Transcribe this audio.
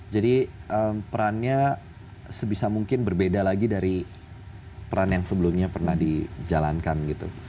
jadi perannya sebisa mungkin berbeda lagi dari peran yang sebelumnya pernah dijalankan gitu